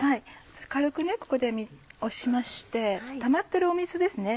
軽くここで押しましてたまってる水ですね。